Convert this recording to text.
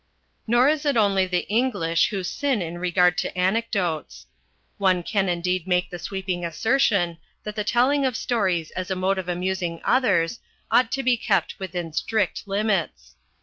Nor is it only the English who sin in regard to anecdotes. One can indeed make the sweeping assertion that the telling of stories as a mode of amusing others ought to be kept within strict limits.